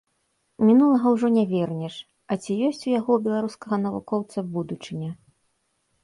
Мінулага ўжо не вернеш, а ці ёсць у яго, беларускага навукоўца, будучыня.